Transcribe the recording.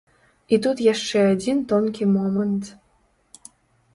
І тут яшчэ адзін тонкі момант.